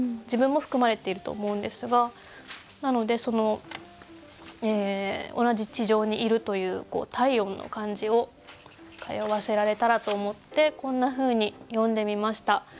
自分も含まれていると思うんですがなのでその同じ地上にいるという体温の感じを通わせられたらと思ってこんなふうに詠んでみました。